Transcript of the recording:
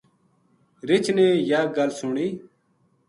رچھ نے یاہ گل سنی